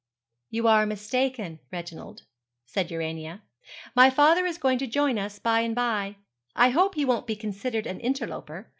'You are mistaken, Reginald,' said Urania; 'my father is going to join us by and by. I hope he won't be considered an interloper.